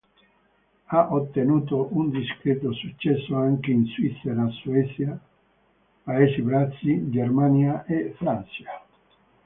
Ha ottenuto un discreto successo anche in Svizzera, Svezia, Paesi Bassi, Germania e Francia.